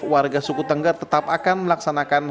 warga suku tengger tetap akan melaksanakan